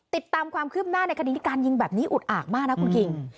ติดตามความคืบหน้าในคดีที่การยิงแบบนี้อุดอากมากนะคุณคิง